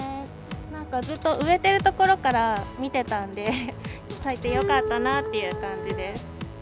なんか、ずっと植えてるところから見てたんで、咲いてよかったなっていう感じです。